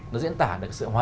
nó diễn tả được sự hòa hợp